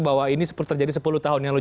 bahwa ini terjadi sepuluh tahun yang lalu